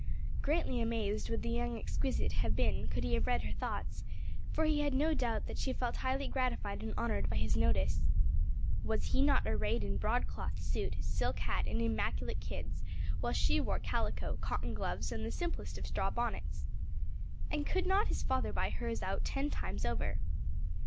Greatly amazed would the young exquisite have been could he have read her thoughts; for he had no doubt that she felt highly gratified and honored by his notice. Was he not arrayed in broadcloth suit, silk hat and immaculate kids, while she wore calico, cotton gloves and the simplest of straw bonnets? And could not his father buy hers out ten times over?